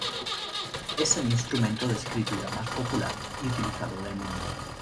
Es el instrumento de escritura más popular y utilizado del mundo.